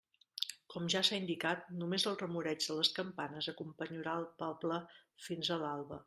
Com ja s'ha indicat, només el remoreig de les campanes acompanyarà al poble fins a l'alba.